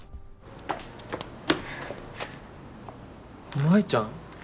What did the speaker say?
舞ちゃん。